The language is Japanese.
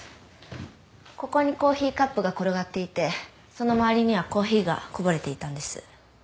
ここにコーヒーカップが転がっていてその周りにはコーヒーがこぼれていたんです。